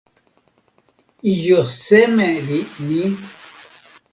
ijo seme li ni?